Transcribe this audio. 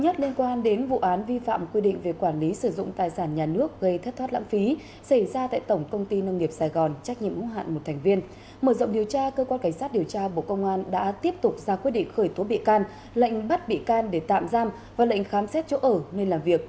các bạn hãy đăng ký kênh để ủng hộ kênh của chúng mình nhé